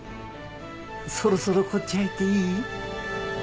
そろそろこっち入っていい？